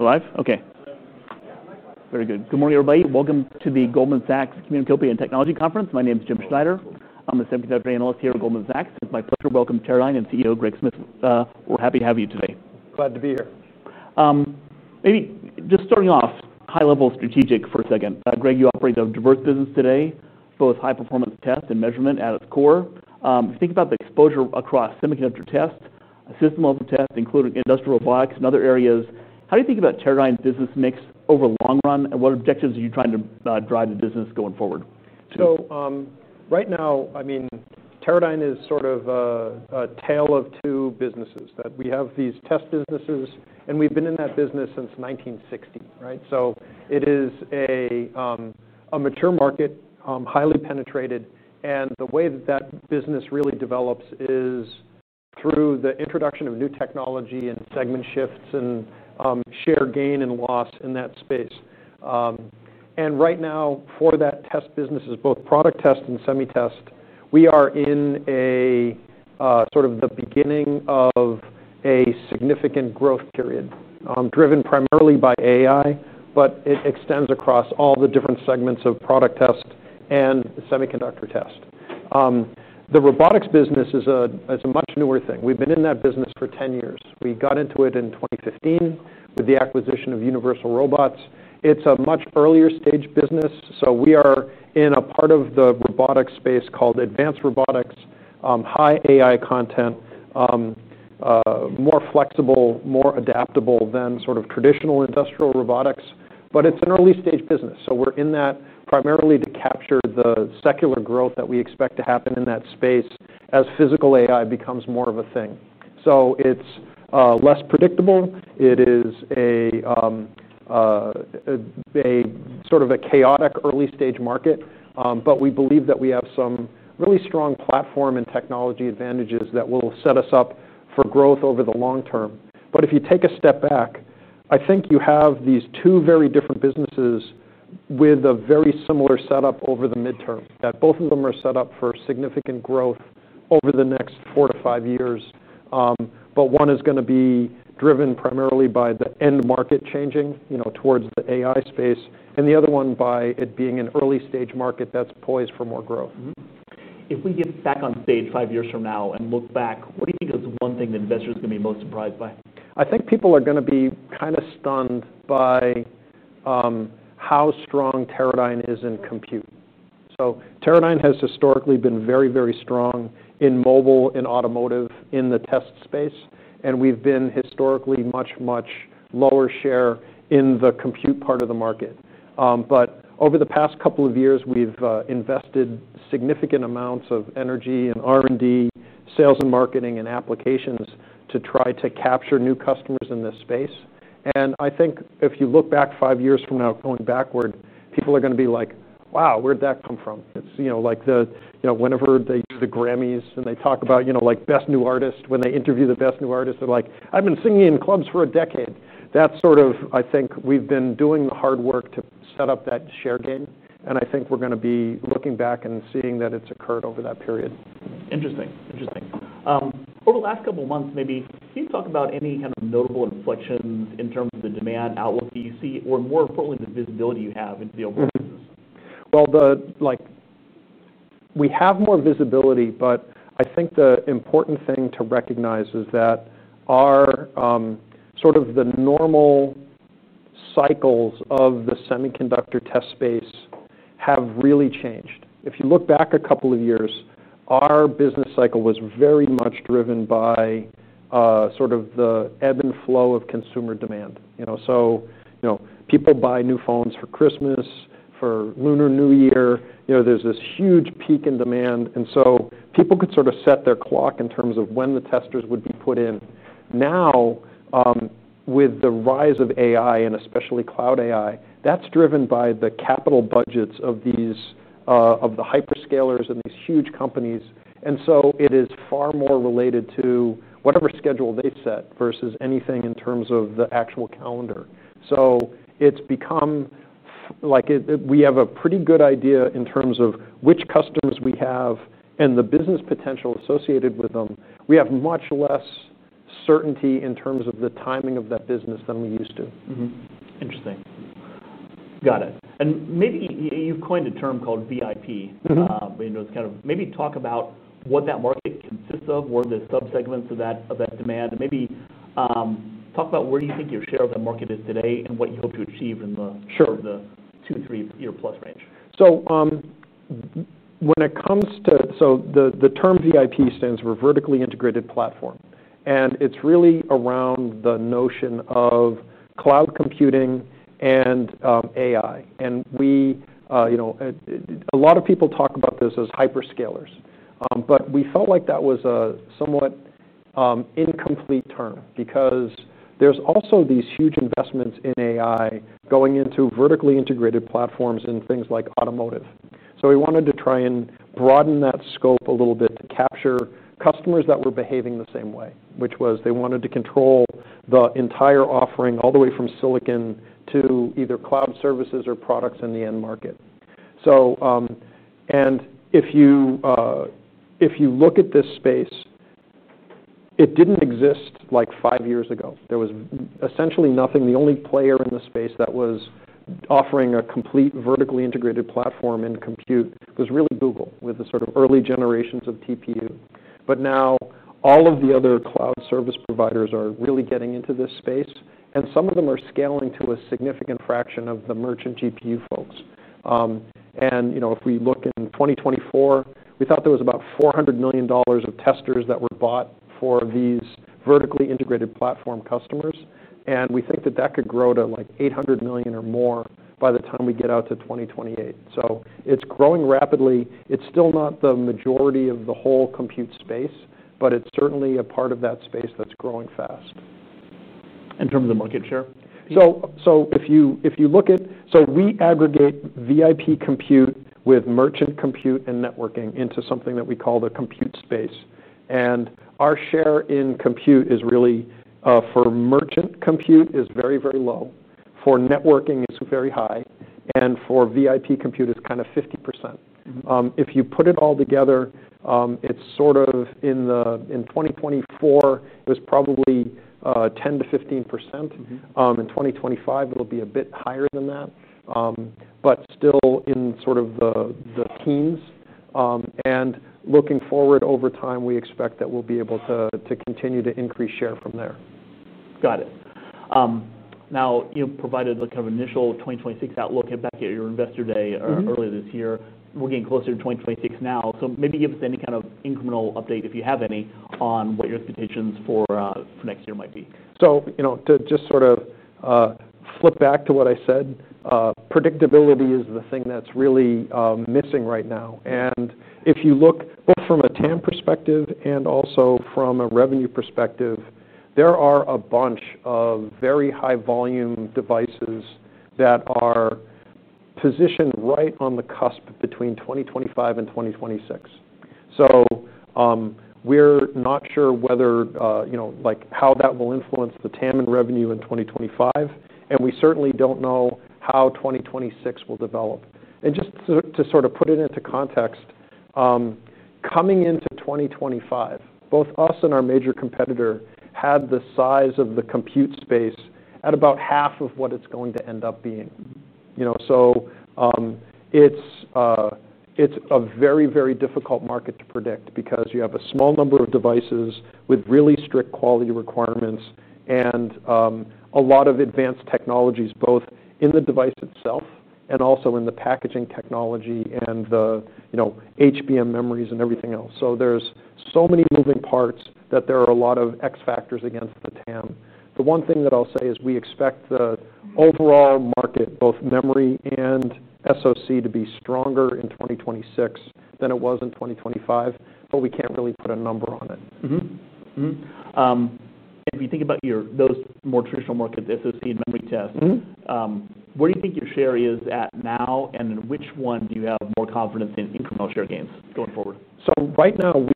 Live? Okay. Very good. Good morning, everybody. Welcome to the Goldman Sachs Communicability and Technology Conference. My name is Jim Schneider. I'm the Senior Analyst here at Goldman Sachs. It's my pleasure to welcome Teradyne and CEO Greg Smith. We're happy to have you today. Glad to be here. Maybe just starting off high-level strategic for a second. Greg, you operate a diverse business today, both high-performance test and measurement at its core. If you think about the exposure across semiconductor tests, system-level tests, including industrial robotics and other areas, how do you think about Teradyne's business mix over the long run, and what objectives are you trying to drive the business going forward? Right now, I mean, Teradyne is sort of a tale of two businesses. We have these test businesses, and we've been in that business since 1960, right? It is a mature market, highly penetrated, and the way that that business really develops is through the introduction of new technology and segment shifts and share gain and loss in that space. Right now, for that test business, both product test and semi-test, we are in sort of the beginning of a significant growth period, driven primarily by AI, but it extends across all the different segments of product test and semiconductor test. The robotics business is a much newer thing. We've been in that business for 10 years. We got into it in 2015 with the acquisition of Universal Robots. It's a much earlier stage business. We are in a part of the robotics space called advanced robotics, high AI content, more flexible, more adaptable than sort of traditional industrial robotics. It's an early-stage business. We're in that primarily to capture the secular growth that we expect to happen in that space as physical AI becomes more of a thing. It is less predictable. It is sort of a chaotic early-stage market, but we believe that we have some really strong platform and technology advantages that will set us up for growth over the long- term. If you take a step back, I think you have these two very different businesses with a very similar setup over the midterm, that both of them are set up for significant growth over the next four to five years. One is going to be driven primarily by the end market changing towards the AI space, and the other one by it being an early-stage market that's poised for more growth. If we get back on stage five years from now and look back, what do you think is one thing that investors are going to be most surprised by? I think people are going to be kind of stunned by how strong Teradyne is in compute. Teradyne has historically been very, very strong in mobile and automotive in the test space, and we've been historically much, much lower share in the compute part of the market. Over the past couple of years, we've invested significant amounts of energy in R&D, sales and marketing, and applications to try to capture new customers in this space. I think if you look back five years from now, going backward, people are going to be like, "Wow, where did that come from?" It's like whenever they do the Grammys and they talk about best new artists, when they interview the best new artists, they're like, "I've been singing in clubs for a decade." That's sort of, I think, we've been doing the hard work to set up that share gain, and I think we're going to be looking back and seeing that it's occurred over that period. Interesting. Over the last couple of months, maybe can you talk about any kind of notable inflection in terms of the demand outlook that you see, or more importantly, the visibility you have into the business? We have more visibility, but I think the important thing to recognize is that sort of the normal cycles of the semiconductor test space have really changed. If you look back a couple of years, our business cycle was very much driven by sort of the ebb and flow of consumer demand. People buy new phones for Christmas, for Lunar New Year. There's this huge peak in demand, and people could sort of set their clock in terms of when the testers would be put in. Now, with the rise of AI, and especially cloud AI, that's driven by the capital budgets of the hyperscalers and these huge companies. It is far more related to whatever schedule they've set versus anything in terms of the actual calendar. It's become like we have a pretty good idea in terms of which customers we have and the business potential associated with them. We have much less certainty in terms of the timing of that business than we used to. Interesting. Got it. Maybe you've coined a term called VIP. Can you talk about what that market consists of, what are the subsegments of that demand, and talk about where you think your share of that market is today and what you hope to achieve in the two to three-year plus range. The term VIP stands for Vertically Integrated Platform, and it's really around the notion of cloud computing and AI. A lot of people talk about this as hyperscalers, but we felt like that was a somewhat incomplete term because there's also these huge investments in AI going into vertically- integrated platforms and things like automotive. We wanted to try and broaden that scope a little bit to capture customers that were behaving the same way, which was they wanted to control the entire offering all the way from silicon to either cloud services or products in the end market. If you look at this space, it didn't exist like five years ago. There was essentially nothing. The only player in the space that was offering a complete vertically- integrated platform in compute was really Google with the sort of early generations of TPU. Now all of the other cloud service providers are really getting into this space, and some of them are scaling to a significant fraction of the merchant GPU folks. If we look in 2024, we thought there was about $400 million of testers that were bought for these Vertically Integrated Platform customers, and we think that that could grow to like $800 million or more by the time we get out to 2028. It's growing rapidly. It's still not the majority of the whole compute space, but it's certainly a part of that space that's growing fast. In terms of the market share? If you look at it, we aggregate VIP compute with merchant compute and networking into something that we call the compute space. Our share in compute is really, for merchant compute, very, very low. For networking, it's very high. For VIP compute, it's kind of 50%. If you put it all together, in 2024, it was probably 10%- 15%. In 2025, it'll be a bit higher than that, but still in the teens. Looking forward over time, we expect that we'll be able to continue to increase share from there. Got it. Now, you know, provided the kind of initial 2026 outlook and back at your Investor Day earlier this year, we're getting closer to 2026 now. Maybe give us any kind of incremental update, if you have any, on what your expectations for next year might be. To just sort of flip back to what I said, predictability is the thing that's really missing right now. If you look both from a TAM perspective and also from a revenue perspective, there are a bunch of very high-volume devices that are positioned right on the cusp between 2025 and 2026. We're not sure how that will influence the TAM and revenue in 2025, and we certainly don't know how 2026 will develop. Just to sort of put it into context, coming into 2025, both us and our major competitor had the size of the compute space at about half of what it's going to end up being. It's a very, very difficult market to predict because you have a small number of devices with really strict quality requirements and a lot of advanced technologies, both in the device itself and also in the packaging technology and the HBM memories and everything else. There are so many moving parts that there are a lot of X factors against the TAM. The one thing that I'll say is we expect the overall market, both memory and SoC, to be stronger in 2026 than it was in 2025, but we can't really put a number on it. If you think about those more traditional markets, SoC and memory tests, where do you think your share is at now, and in which one do you have more confidence in incremental share gains going forward? Right now,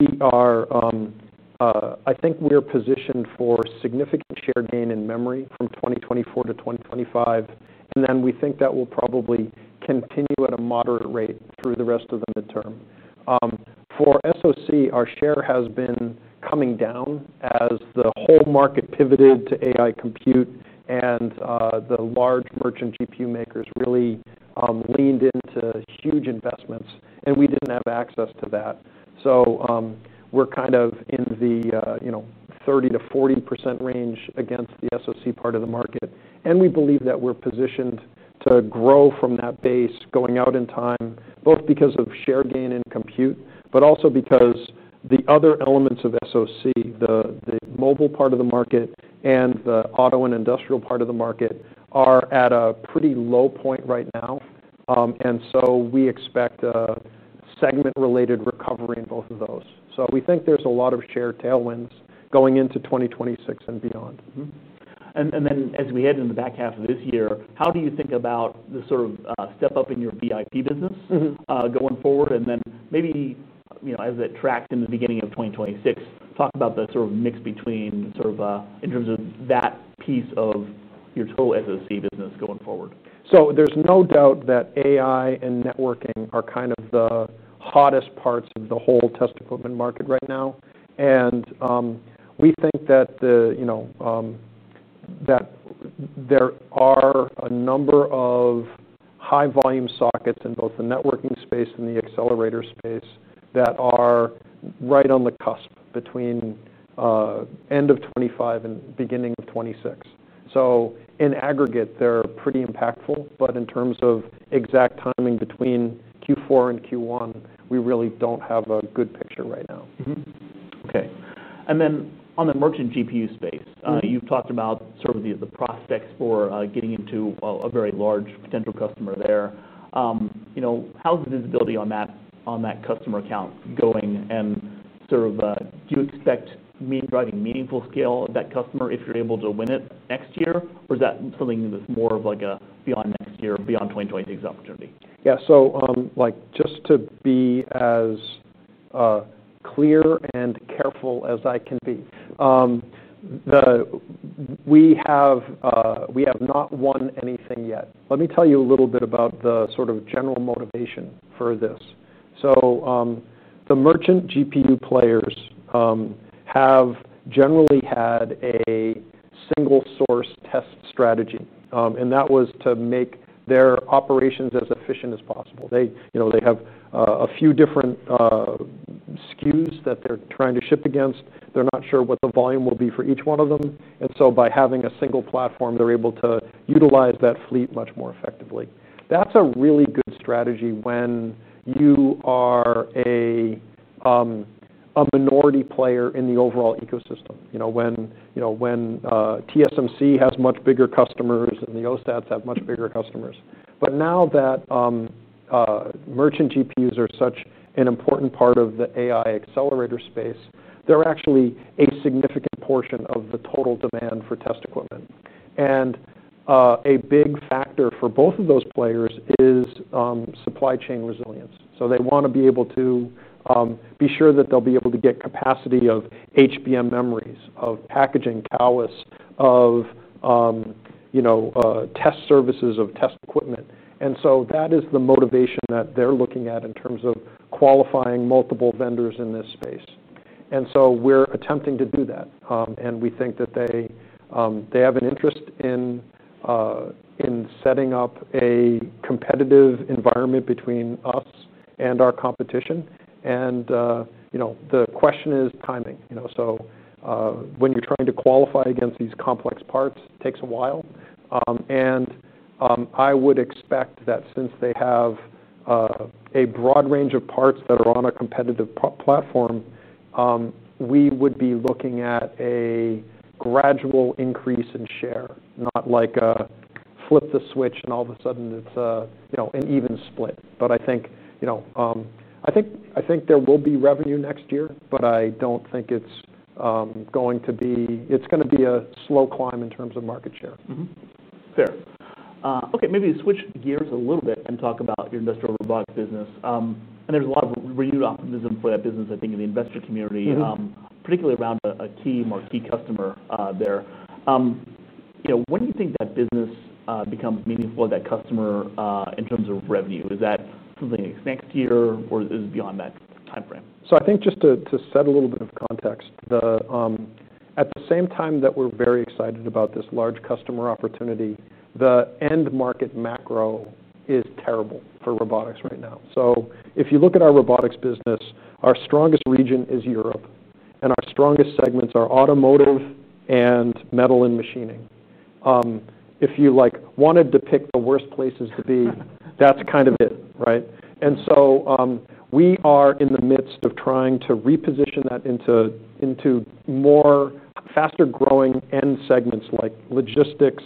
I think we're positioned for significant share gain in memory from 2024- 2025, and we think that will probably continue at a moderate rate through the rest of the midterm. For SoC, our share has been coming down as the whole market pivoted to AI compute, and the large merchant GPU makers really leaned into huge investments, and we didn't have access to that. We're kind of in the 30%- 40% range against the SoC part of the market. We believe that we're positioned to grow from that base, going out in time, both because of share gain in compute, but also because the other elements of SoC, the mobile part of the market, and the auto and industrial part of the market are at a pretty low point right now. We expect a segment-related recovery in both of those. We think there's a lot of shared tailwinds going into 2026 and beyond. As we head into the back half of this year, how do you think about the sort of step up in your VIP business going forward? Maybe as it tracked in the beginning of 2026, talk about the sort of mix between in terms of that piece of your total SoC business going forward. There is no doubt that AI and networking are kind of the hottest parts of the whole test equipment market right now. We think that there are a number of high-volume sockets in both the networking space and the accelerator space that are right on the cusp between end of 2025 and beginning of 2026. In aggregate, they're pretty impactful, but in terms of exact timing between Q4 and Q1, we really don't have a good picture right now. Okay. On the merchant GPU space, you've talked about sort of the prospects for getting into a very large potential customer there. How's the visibility on that customer account going? Do you expect it driving meaningful scale at that customer if you're able to win it next year, or is that something that's more of a beyond next year, beyond 2026 opportunity? Yeah. Just to be as clear and careful as I can be, we have not won anything yet. Let me tell you a little bit about the sort of general motivation for this. The merchant GPU players have generally had a single-source test strategy, and that was to make their operations as efficient as possible. They have a few different SKUs that they're trying to ship against. They're not sure what the volume will be for each one of them. By having a single platform, they're able to utilize that fleet much more effectively. That's a really good strategy when you are a minority player in the overall ecosystem, when TSMC has much bigger customers and the OSATs have much bigger customers. Now that merchant GPUs are such an important part of the AI accelerator space, they're actually a significant portion of the total demand for test equipment. A big factor for both of those players is supply chain resilience. They want to be able to be sure that they'll be able to get capacity of HBM memories, of packaging, of test services, of test equipment. That is the motivation that they're looking at in terms of qualifying multiple vendors in this space. We're attempting to do that. We think that they have an interest in setting up a competitive environment between us and our competition. The question is timing. When you're trying to qualify against these complex parts, it takes a while. I would expect that since they have a broad range of parts that are on a competitive platform, we would be looking at a gradual increase in share, not like a flip the switch and all of a sudden it's an even split. I think there will be revenue next year, but I don't think it's going to be, it's going to be a slow climb in terms of market share. Fair. Okay. Maybe to switch gears a little bit and talk about your industrial robotics business. There's a lot of renewed optimism for that business, I think, in the investor community, particularly around a key marquee customer there. When do you think that business becomes meaningful, that customer in terms of revenue? Is that something that is next year or is it beyond that timeframe? I think just to set a little bit of context, at the same time that we're very excited about this large customer opportunity, the end market macro is terrible for robotics right now. If you look at our robotics business, our strongest region is Europe, and our strongest segments are automotive and metal and machining. If you wanted to pick the worst places to be, that's kind of it, right? We are in the midst of trying to reposition that into more faster growing end segments like logistics,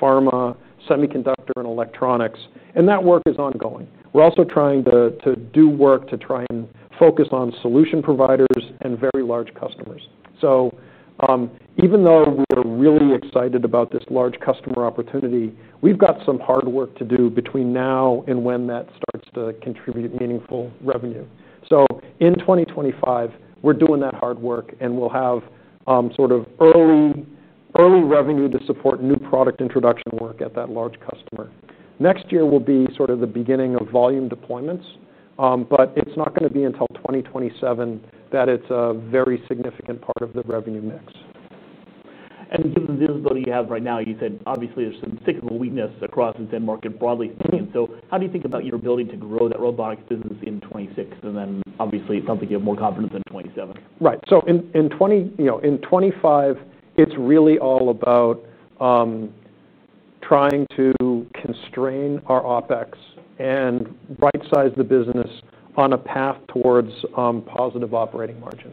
pharma, semiconductor, and electronics. That work is ongoing. We're also trying to do work to try and focus on solution providers and very large customers. Even though we're really excited about this large customer opportunity, we've got some hard work to do between now and when that starts to contribute meaningful revenue. In 2025, we're doing that hard work, and we'll have sort of early revenue to support new product introduction work at that large customer. Next year will be sort of the beginning of volume deployments, but it's not going to be until 2027 that it's a very significant part of the revenue mix. Given the visibility you have right now, you said obviously there's some cyclical weakness across this end market broadly. How do you think about your ability to grow that robotics business in 2026? Obviously it sounds like you have more confidence in 2027. Right. In 2025, it's really all about trying to constrain our OpEx and right-size the business on a path towards positive operating margin.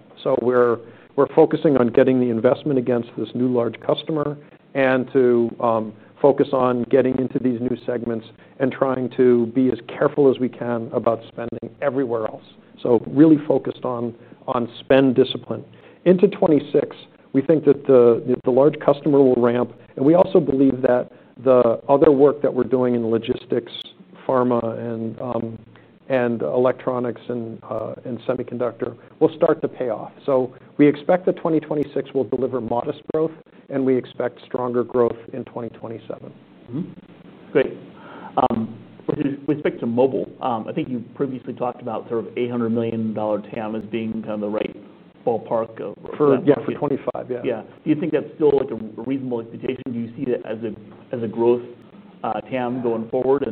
We're focusing on getting the investment against this new large customer and to focus on getting into these new segments and trying to be as careful as we can about spending everywhere else. We're really focused on spend discipline. Into 2026, we think that the large customer will ramp, and we also believe that the other work that we're doing in logistics, pharma, electronics, and semiconductor will start to pay off. We expect that 2026 will deliver modest growth, and we expect stronger growth in 2027. Great. With respect to mobile, I think you previously talked about sort of $800 million TAM as being kind of the right ballpark. Yeah, for 2025. Yeah. Do you think that's still like a reasonable expectation? Do you see it as a growth TAM going forward?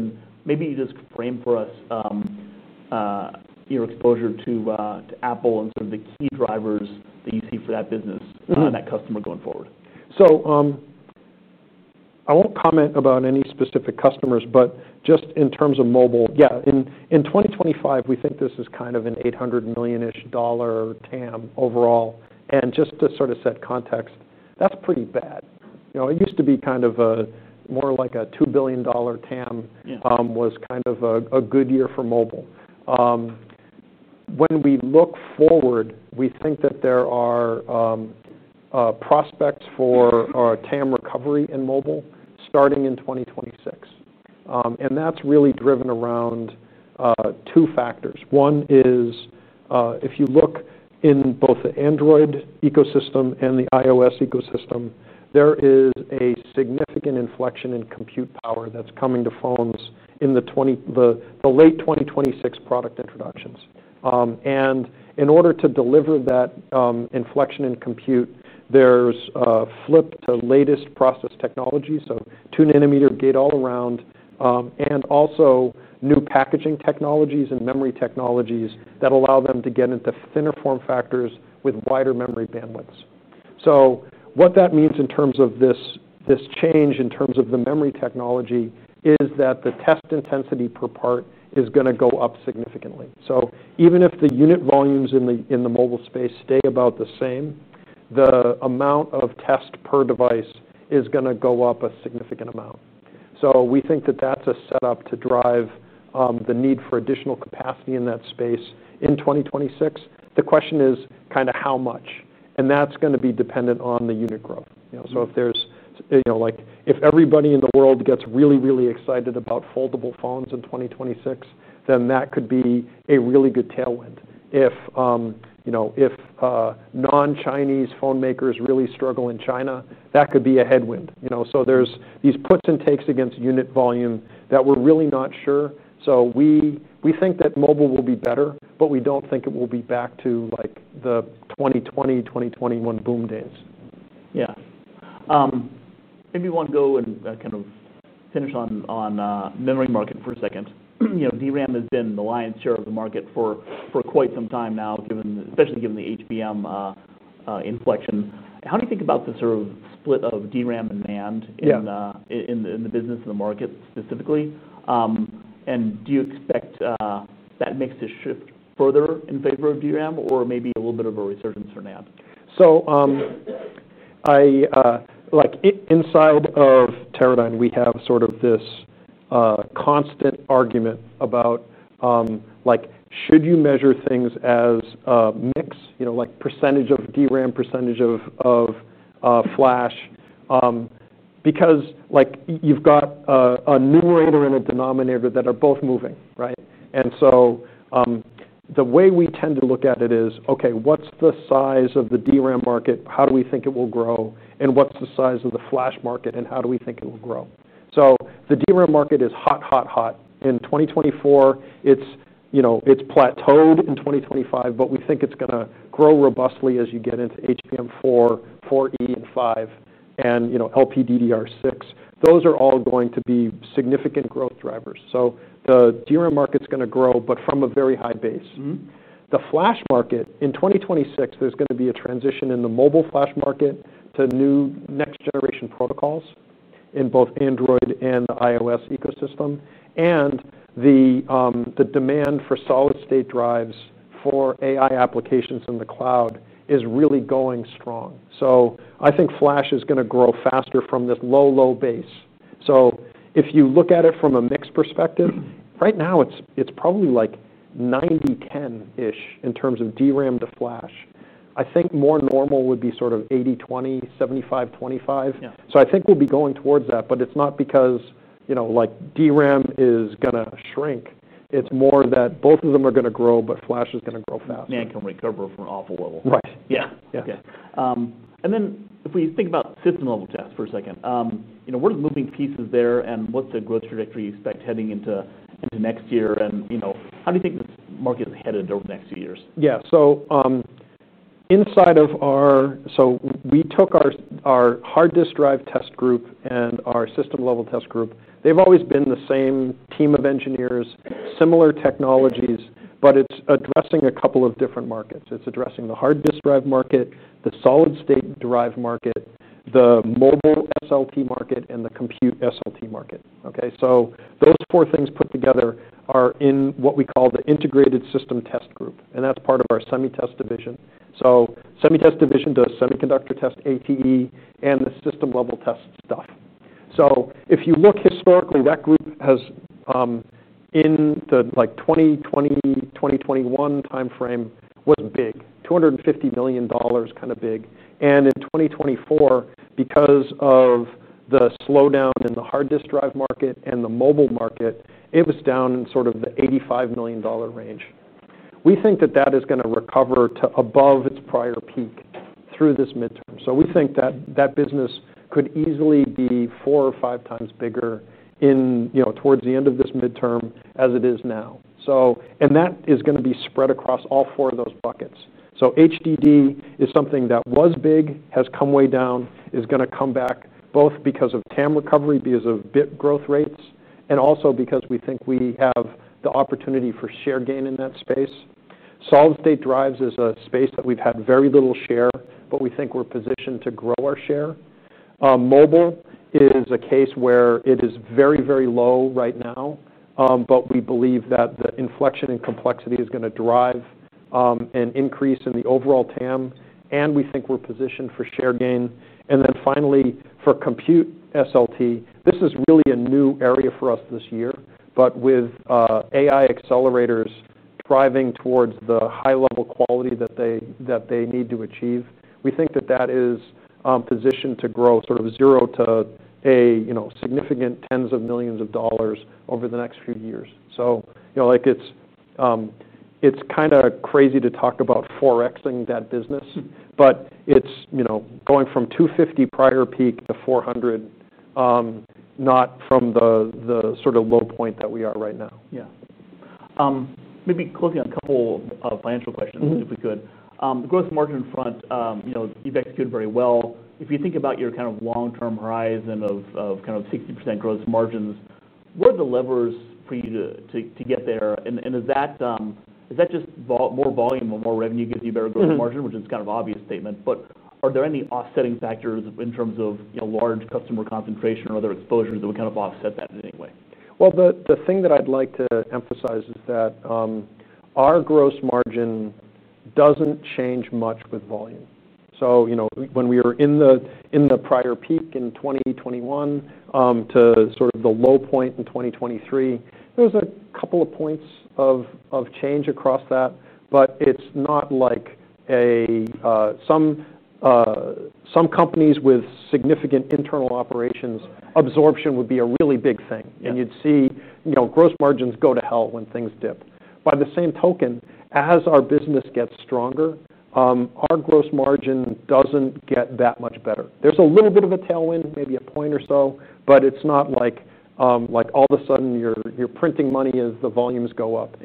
Maybe you just frame for us your exposure to Apple and sort of the key drivers that you see for that business and that customer going forward. I won't comment about any specific customers, but just in terms of mobile, yeah, in 2025, we think this is kind of an $800 million-ish TAM overall. Just to sort of set context, that's pretty bad. It used to be kind of more like a $2 billion TAM was kind of a good year for mobile. When we look forward, we think that there are prospects for TAM recovery in mobile starting in 2026. That's really driven around two factors. One is if you look in both the Android ecosystem and the iOS ecosystem, there is a significant inflection in compute power that's coming to phones in the late 2026 product introductions. In order to deliver that inflection in compute, there's a flip to latest process technology, so 2 nm gate all around, and also new packaging technologies and memory technologies that allow them to get into thinner form factors with wider memory bandwidths. What that means in terms of this change, in terms of the memory technology, is that the test intensity per part is going to go up significantly. Even if the unit volumes in the mobile space stay about the same, the amount of tests per device is going to go up a significant amount. We think that that's a setup to drive the need for additional capacity in that space in 2026. The question is kind of how much. That's going to be dependent on the unit growth. If everybody in the world gets really, really excited about foldable phones in 2026, then that could be a really good tailwind. If non-Chinese phone makers really struggle in China, that could be a headwind. There are these puts and takes against unit volume that we're really not sure. We think that mobile will be better, but we don't think it will be back to like the 2020, 2021 boom days. Yeah. Maybe we want to go and kind of finish on the memory market for a second. DRAM has been the lion's share of the market for quite some time now, especially given the HBM inflection. How do you think about the sort of split of DRAM and NAND in the business and the market specifically? Do you expect that mix to shift further in favor of DRAM or maybe a little bit of a resurgence for NAND? Inside of Teradyne, we have this constant argument about should you measure things as a mix, like percentage of DRAM, percentage of flash, because you've got a numerator and a denominator that are both moving, right? The way we tend to look at it is, okay, what's the size of the DRAM market? How do we think it will grow? What's the size of the flash market and how do we think it will grow? The DRAM market is hot, hot, hot. In 2024, it's plateaued. In 2025, we think it's going to grow robustly as you get into HBM4, HBM4E, HBM5, and LPDDR6. Those are all going to be significant growth drivers. The DRAM market's going to grow, but from a very high base. The flash market, in 2026, there's going to be a transition in the mobile flash market to new next-generation protocols in both Android and the iOS ecosystem. The demand for solid-state drives for AI applications in the cloud is really going strong. I think flash is going to grow faster from that low, low base. If you look at it from a mix perspective, right now it's probably like 90/10-ish in terms of DRAM to flash. I think more normal would be sort of 80/20, 75/25. I think we'll be going towards that, but it's not because DRAM is going to shrink. It's more that both of them are going to grow, but flash is going to grow fast. It can recover from an awful level. Right. Okay. If we think about system-level tests for a second, what are the moving pieces there and what's the growth trajectory you expect heading into next year? How do you think this market is headed over the next few years? Yeah. Inside of our, we took our hard disk drive test group and our system-level test group. They've always been the same team of engineers, similar technologies, but it's addressing a couple of different markets. It's addressing the hard disk drive market, the solid-state drive market, the mobile SLT market, and the compute SLT market. Those four things put together are in what we call the integrated system test group, and that's part of our semi-test division. The semi-test division does semiconductor test ATE and the system-level test stuff. If you look historically, that group in the 2020-2021 timeframe was big, $250 million kind of big. In 2024, because of the slowdown in the hard disk drive market and the mobile market, it was down in the $85 million range. We think that is going to recover to above its prior peak through this midterm. We think that business could easily be 4x or 5x bigger towards the end of this midterm as it is now, and that is going to be spread across all four of those buckets. HDD is something that was big, has come way down, is going to come back both because of TAM recovery, because of bit growth rates, and also because we think we have the opportunity for share gain in that space. Solid-state drives is a space that we've had very little share, but we think we're positioned to grow our share. Mobile is a case where it is very, very low right now, but we believe that the inflection and complexity is going to drive an increase in the overall TAM, and we think we're positioned for share gain. Finally, for compute SLT, this is really a new area for us this year, but with AI accelerators driving towards the high-level quality that they need to achieve, we think that is positioned to grow sort of zero to significant tens of millions of dollars over the next few years. It's kind of crazy to talk about 4xing that business, but it's going from $250 million prior peak to $400 million, not from the low point that we are right now. Yeah. Maybe closing on a couple of financial questions if we could. On the gross margin front, you've executed very well. If you think about your kind of long-term horizon of kind of 60% gross margins, what are the levers for you to get there? Is that just more volume or more revenue gives you a better gross margin, which is kind of an obvious statement, but are there any offsetting factors in terms of large customer concentration or other exposures that would kind of offset that in any way? The thing that I'd like to emphasize is that our gross margin doesn't change much with volume. When we were in the prior peak in 2021 to sort of the low point in 2023, there's a couple of points of change across that, but it's not like some companies with significant internal operations absorption would be a really big thing. You'd see gross margins go to hell when things dip. By the same token, as our business gets stronger, our gross margin doesn't get that much better. There's a little bit of a tailwind, maybe a point or so, but it's not like all of a sudden you're printing money as the volumes go up.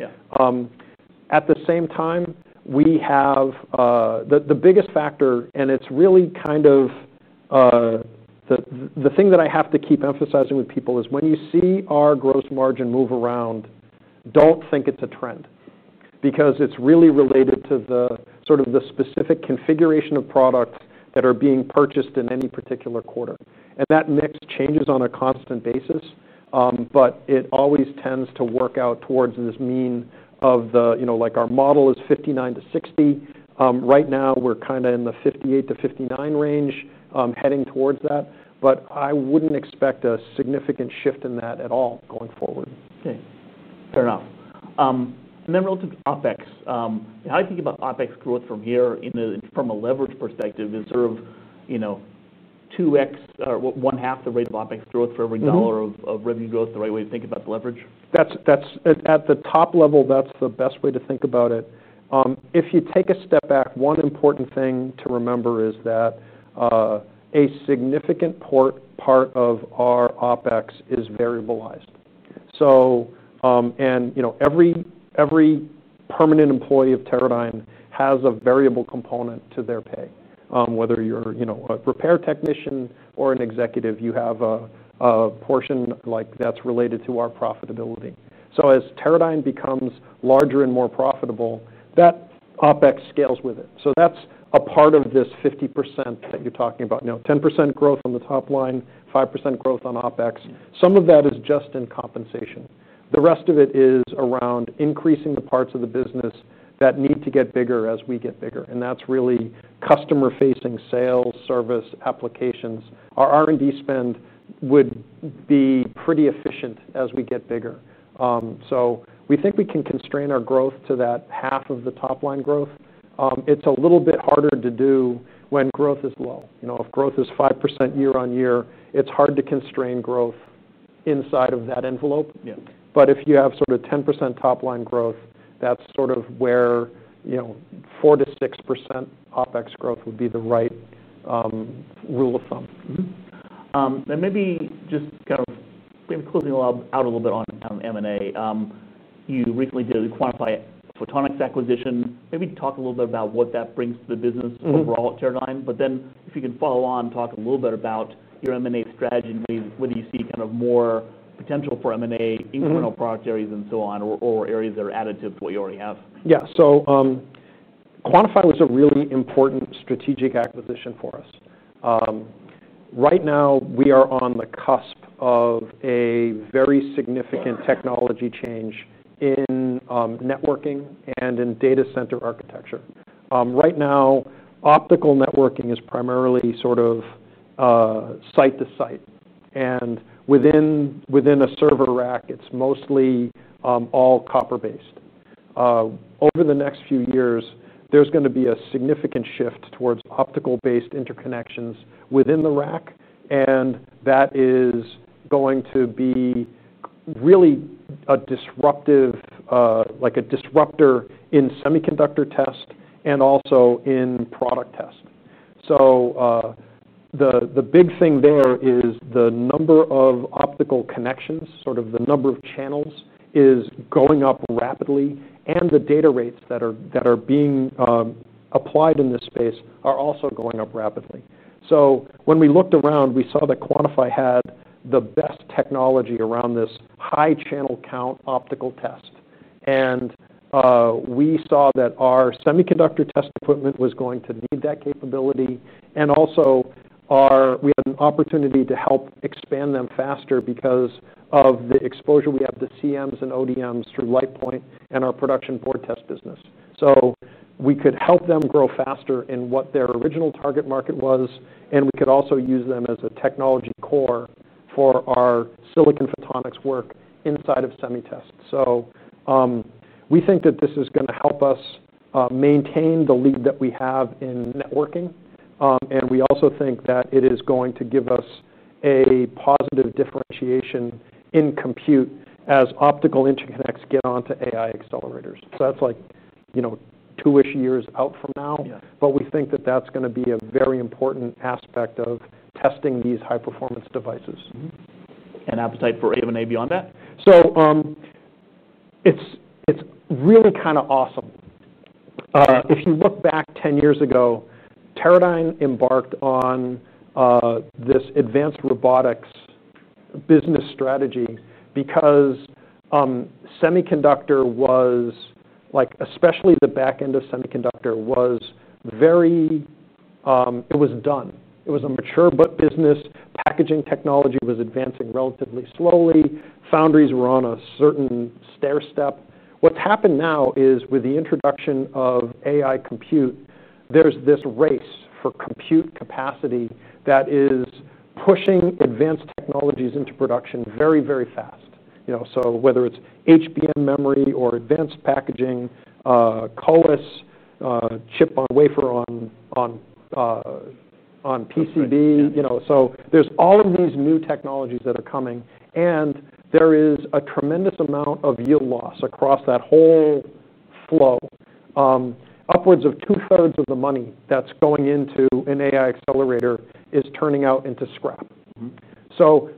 At the same time, we have the biggest factor, and it's really kind of the thing that I have to keep emphasizing with people is when you see our gross margin move around, don't think it's a trend because it's really related to sort of the specific configuration of products that are being purchased in any particular quarter. That mix changes on a constant basis, but it always tends to work out towards this mean of our model is 59%- 60%. Right now, we're kind of in the 58%- 59% range heading towards that, but I wouldn't expect a significant shift in that at all going forward. Okay. Fair enough. Relative to OpEx, how do you think about OpEx growth from here from a leverage perspective? Is sort of 2X or one half the rate of OpEx growth for every dollar of revenue growth the right way to think about the leverage? At the top level, that's the best way to think about it. If you take a step back, one important thing to remember is that a significant part of our OpEx is variabilized. Every permanent employee of Teradyne has a variable component to their pay. Whether you're a repair technician or an executive, you have a portion that's related to our profitability. As Teradyne becomes larger and more profitable, that OpEx scales with it. That's a part of this 50% that you're talking about. Now, 10% growth on the top line, 5% growth on OpEx, some of that is just in compensation. The rest of it is around increasing the parts of the business that need to get bigger as we get bigger. That's really customer-facing sales, service, applications. Our R&D spend would be pretty efficient as we get bigger. We think we can constrain our growth to that half of the top line growth. It's a little bit harder to do when growth is low. If growth is 5% year- on- year, it's hard to constrain growth inside of that envelope. If you have sort of 10% top line growth, that's sort of where 4%- 6% OpEx growth would be the right rule of thumb. Maybe just kind of closing out a little bit on M&A. You recently did the Quantifi Photonics acquisition. Maybe talk a little bit about what that brings to the business overall at Teradyne. If you can follow on, talk a little bit about your M&A strategy, whether you see kind of more potential for M&A, internal product areas, and so on, or areas that are additive to what you already have. Yeah. Quantifi was a really important strategic acquisition for us. Right now, we are on the cusp of a very significant technology change in networking and in data center architecture. Right now, optical networking is primarily sort of site to site, and within a server rack, it's mostly all copper-based. Over the next few years, there is going to be a significant shift towards optical-based interconnections within the rack. That is going to be really a disruptor in semiconductor test and also in product test. The big thing there is the number of optical connections, sort of the number of channels, is going up rapidly, and the data rates that are being applied in this space are also going up rapidly. When we looked around, we saw that Quantifi had the best technology around this high-channel-count optical test. We saw that our semiconductor test equipment was going to need that capability. Also, we had an opportunity to help expand them faster because of the exposure we have to CMs and ODMs through LightPoint and our production board test business. We could help them grow faster in what their original target market was, and we could also use them as a technology core for our silicon photonics work inside of semi-test. We think that this is going to help us maintain the lead that we have in networking, and we also think that it is going to give us a positive differentiation in compute as optical interconnects get onto AI accelerators. That is like two-ish years out from now, but we think that is going to be a very important aspect of testing these high-performance devices. And appetite for M&A beyond that? It's really kind of awesome. If you look back 10 years ago, Teradyne embarked on this advanced robotics business strategy because semiconductor was like, especially the back end of semiconductor, it was done. It was a mature business. Packaging technology was advancing relatively slowly. Foundries were on a certain stairstep. What's happened now is with the introduction of AI compute, there's this race for compute capacity that is pushing advanced technologies into production very, very fast. Whether it's HBM memory or advanced packaging, COLIS chip on wafer on PCB, there are all of these new technologies that are coming, and there is a tremendous amount of yield loss across that whole flow. Upwards of two-thirds of the money that's going into an AI accelerator is turning out into scrap.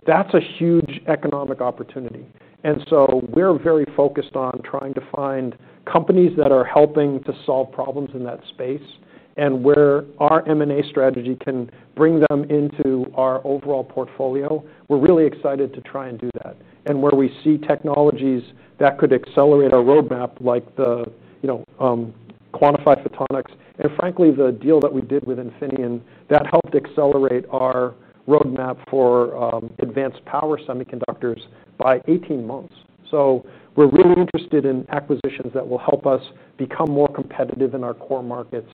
That's a huge economic opportunity. We're very focused on trying to find companies that are helping to solve problems in that space. Where our M&A strategy can bring them into our overall portfolio, we're really excited to try and do that. Where we see technologies that could accelerate our roadmap, like the Quantifi Photonics, and frankly, the deal that we did with Infineon Technologies, that helped accelerate our roadmap for advanced power semiconductors by 18 months. We're really interested in acquisitions that will help us become more competitive in our core markets.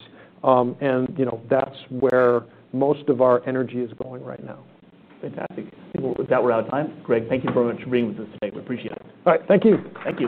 That's where most of our energy is going right now. Fantastic. I think that we're out of time. Greg, thank you very much for being with us today. We appreciate it. All right, thank you. Thank you.